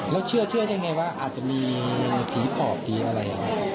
แล้วเชื่อยังไงว่าอาจจะมีผีต่อผีอะไร